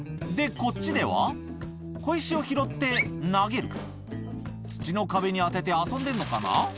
こっちでは小石を拾って投げる土の壁に当てて遊んでんのかな？